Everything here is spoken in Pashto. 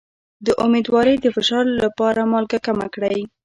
د امیدوارۍ د فشار لپاره مالګه کمه کړئ